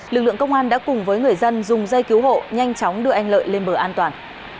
lực lượng công an đã cùng với người dân dùng dây cứu hộ nhanh chóng đưa anh lợi lên bờ an toàn